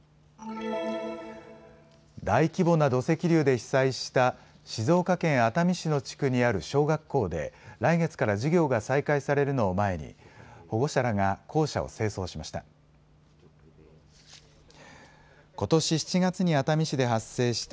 大規模な土石流で被災した静岡県熱海市の地区にある小学校で来月から授業が再開されるのを前に保護者らが校舎を清掃しました。